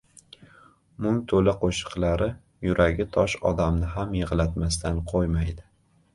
mung to‘la qo‘shiqlari yuragi tosh odamni ham yig‘latmasdan qo‘ymaydi.